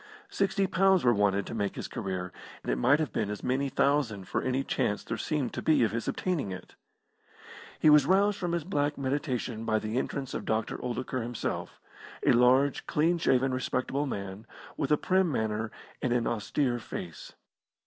Sixty pounds were wanted to make his career, and it might have been as many thousand for any chance there seemed to be of his obtaining it. He was roused from his black meditation by the entrance of Dr. Oldacre himself, a large, clean shaven, respectable man, with a prim manner and an austere face.